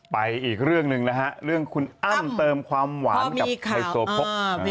อีกเรื่องหนึ่งนะฮะเรื่องคุณอ้ำเติมความหวานกับไฮโซโพก